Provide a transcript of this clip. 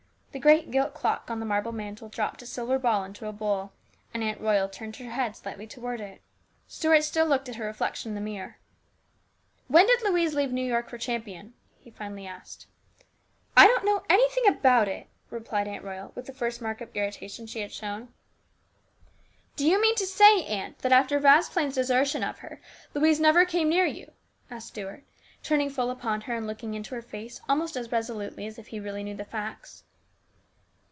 The great gilt clock on the marble mantel dropped a silver ball into a bowl, and Aunt Royal turned her head slightly toward it. Stuart still looked at her reflection in the mirror. " When did Louise leave New York for Cham pion ?" he finally asked. " I don't know anything about it," replied Aunt Royal with the first mark of irritation she had shown. " Do you mean to say, aunt, that after Vasplaine's desertion of her, Louise never came near you?" asked Stuart, turning full upon her and looking into her face almost as resolutely as if he really knew the facts.